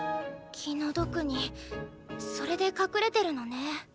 気の毒にそれで隠れてるのね。